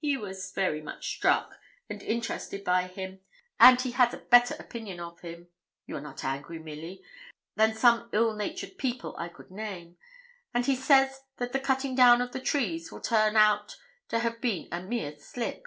He was very much struck and interested by him, and he has a better opinion of him you are not angry, Milly than some ill natured people I could name; and he says that the cutting down of the trees will turn out to have been a mere slip.